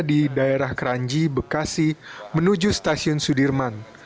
di daerah keranji bekasi menuju stasiun sudirman